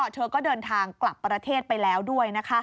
เธอก็เดินทางกลับประเทศไปแล้วด้วย